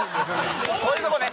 こういうとこね！